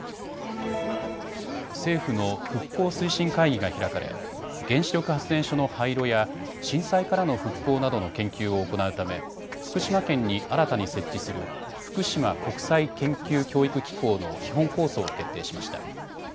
政府の復興推進会議が開かれ原子力発電所の廃炉や震災からの復興などの研究を行うため福島県に新たに設置する福島国際研究教育機構の基本構想を決定しました。